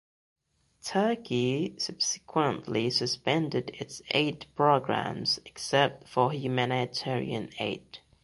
Turkey subsequently suspended its aid programs except for humanitarian aid.